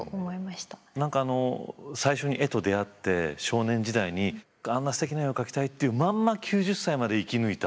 何かあの最初に絵と出会って少年時代にあんなすてきな絵を描きたいっていうまんま９０歳まで生き抜いた。